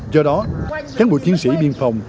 do đó kháng bộ chiến sĩ biên phòng